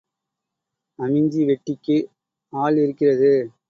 அமிஞ்சி வெட்டிக்கு ஆள் இருக்கிறது.